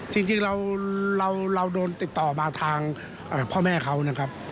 จริงเราโดนติดต่อมาทางพ่อแม่เขานะครับ